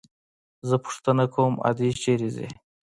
زه پوښتنه کوم ادې چېرته ځي.